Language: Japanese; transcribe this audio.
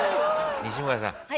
西村さん